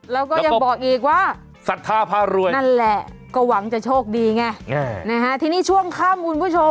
แล้วก็ยังบอกอีกว่านั่นแหละก็หวังจะโชคดีไงนะฮะทีนี้ช่วงข้ามวุฒิผู้ชม